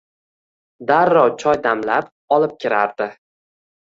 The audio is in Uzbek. Darrov choy damlab, olib kirardi.